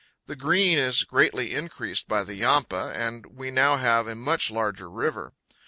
The Green is greatly increased by the Yampa, and we now have a much larger river.